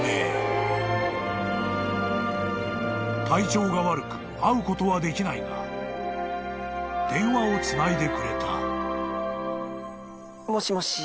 ［体調が悪く会うことはできないが電話をつないでくれた］